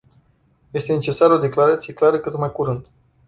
Este necesară o declarație clară cât mai curând.